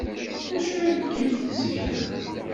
D acu akka ay tzeglem?